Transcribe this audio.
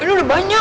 ini udah banyak